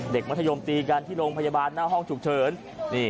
มัธยมตีกันที่โรงพยาบาลหน้าห้องฉุกเฉิน